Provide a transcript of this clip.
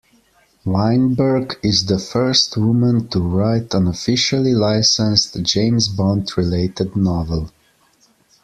Weinberg is the first woman to write an officially licensed James Bond-related novel.